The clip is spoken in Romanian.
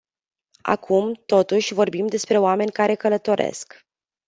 Acum, totuși, vorbim despre oameni care călătoresc.